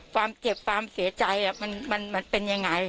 ความเจ็บความเสียใจมันเป็นยังไง